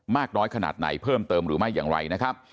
มากน้อยขนาดไหนเพิ่มเติมหรือไม่อย่างไรนะครับ